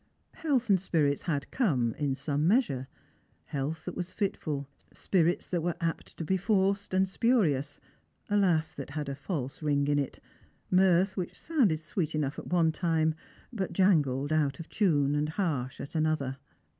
Health and spirits had come, in some measure — health that was fitful, spirits that were apt to be forced and Strangers and Pilgrims. 271 spurious, a laugli that had a false ring in it, mirtli •wliic'h soundftd sweet enough at one time, but jangled, out of tune, and harsh at another.